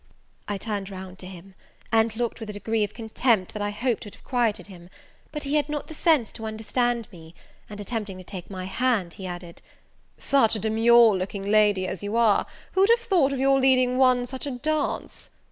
I turned round to him, and looked with a degree of contempt that I hoped would have quieted him: but he had not the sense to understand me; and, attempting to take my hand, he added, "Such a demure looking lady as you are, who'd have thought of your leading one such a dance?